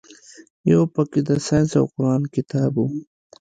يو پکښې د ساينس او قران کتاب و.